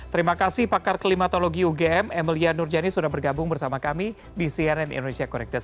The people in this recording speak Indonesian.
terima kasih pakar klimatologi ugm emilia nurjani sudah bergabung bersama kami di cnn indonesia connected